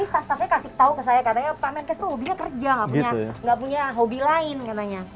ini staff staffnya kasih tau ke saya katanya pak kmnks itu hobinya kerja nggak punya hobi lain katanya